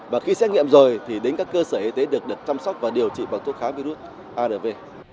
và khi xét nghiệm rồi thì đến các cơ sở y tế được chăm sóc và điều trị bằng thuốc kháng virus arv